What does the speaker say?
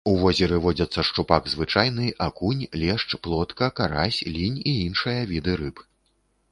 У возеры водзяцца шчупак звычайны, акунь, лешч, плотка, карась, лінь і іншыя віды рыб.